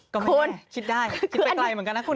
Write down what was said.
ก็ไม่แรงคิดไปใกล้เหมือนกันนะคุณ